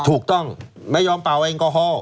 ถูกต้องไม่ยอมเป่าแอลกอฮอล